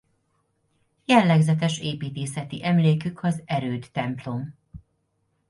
Jellegzetes építészeti emlékük az erődtemplom.